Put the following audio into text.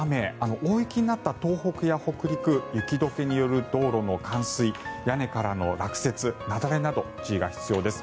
大雪になった東北や北陸雪解けによる道路の冠水屋根からの落雪、雪崩など注意が必要です。